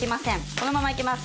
このままいきます。